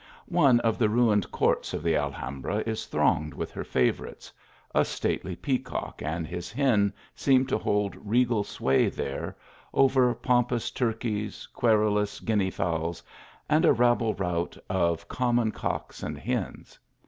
One of the ruined courts of the Alhambra is thronged with her favourites. A stately peacock and his hen seem to hold regal sway here, over pompous turkeys, querulous guinea fowls, and a rabble rout of common cocks and hens.